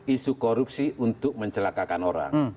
isu korupsi untuk mencelakakan orang